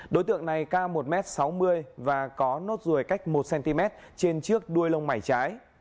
đối tượng này ca một m sáu mươi và có nốt ruồi cách một cm trên chiếc đuôi lông mảy trái